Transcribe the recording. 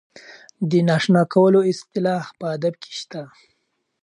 د نااشنا کولو اصطلاح په ادب کې شته.